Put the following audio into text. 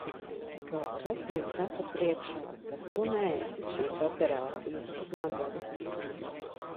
Kaut kas man saka priekšā, ka tu neesi šīs operācijas smadzenes.